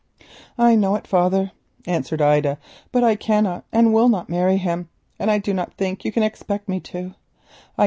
"I know it, father," answered Ida, "but I cannot and will not marry him, and I do not think you can expect me to do so.